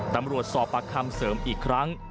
ตำรวจสอบประคำเสริมอีกครั้ง